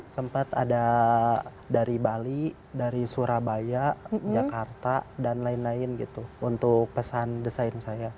sempat ada dari bali dari surabaya jakarta dan lain lain gitu untuk pesan desain saya